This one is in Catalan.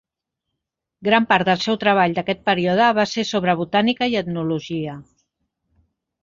Gran part del seu treball d'aquest període va ser sobre botànica i etnologia.